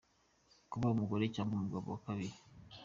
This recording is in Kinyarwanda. Kuba umugore cyangwa umugabo wa kabiri.